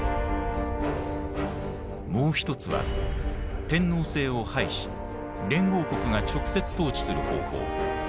もう一つは天皇制を廃し連合国が直接統治する方法。